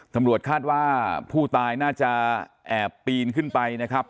ตำรวจคาดว่าผู้ตายน่าจะแอบปีนขึ้นไปนะครับ